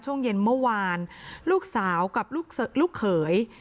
ช่วงเย็นเมื่อวานลูกสาวกับลูกเขย